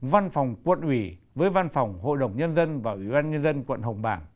văn phòng quận uỷ với văn phòng hội đồng nhân dân và ủy ban nhân dân quận hồng bảng